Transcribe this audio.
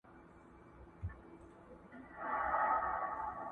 په نس ماړه او پړسېدلي کارغان؛